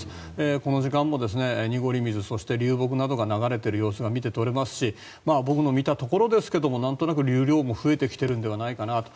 この時間も濁り水そして流木などが流れている様子が見て取れますし僕の見たところですけどなんとなく流量も増えてきているのではないかなと。